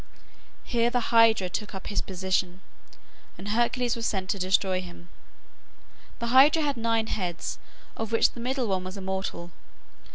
Here the Hydra took up his position, and Hercules was sent to destroy him. The Hydra had nine heads, of which the middle one was immortal.